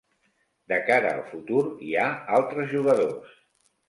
De cara al futur hi ha altres jugadors.